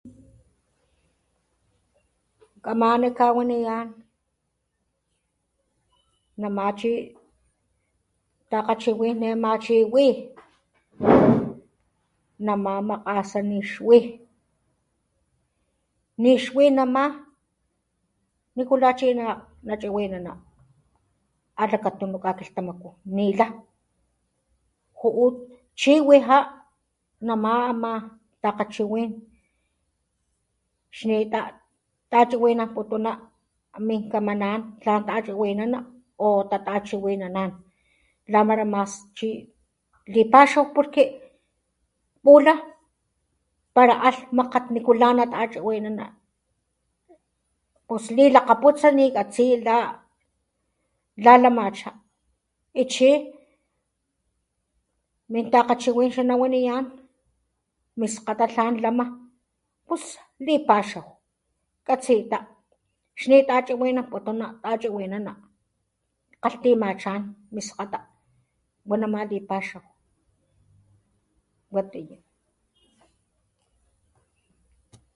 Kamana kawaniyán, Namachi takgachiwin ne ma chi wi, namá makasá ni ix wi, ni ixwi namá, nikulá chi na chiwinana, alakatunu ka kilhtamakú ni lá, juu chi wi já namá takgachiwín xnitá tachiwinanputana, mnkamanan tla tachiwinana o wa tatachiwina la mara mas tlan, lipaxaw porque pula para al makat nikulá natachiwinana, pus lilakaputsa nikatsiya la lamachá y chí mintakachiwin na waniyán miskata tlan lama pus lipaxaw katsitá xni tachiwinnanputuna tachiwinana kalhtimachán miskata, wanama lipaxaw, watiyá.